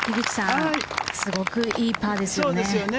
すごくいいパーですよね。